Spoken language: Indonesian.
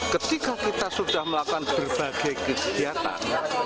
ketika kita sudah melakukan berbagai kegiatan